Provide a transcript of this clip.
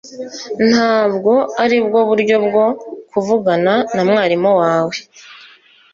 Ntabwo aribwo buryo bwo kuvugana na mwarimu wawe